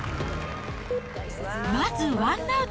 まずワンアウト。